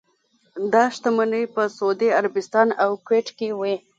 دا شتمنۍ په سعودي عربستان او کویټ کې وې.